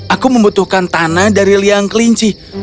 aku membutuhkan tanah dari liang kelinci